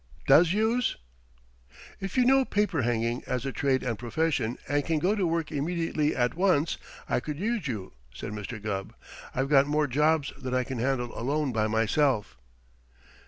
Does youse?" "If you know paper hanging as a trade and profession and can go to work immediately at once, I could use you," said Mr. Gubb. "I've got more jobs than I can handle alone by myself."